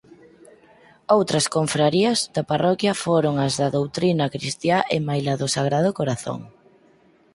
Outras confrarías da parroquia foron as da Doutrina cristiá e maila do Sagrado Corazón.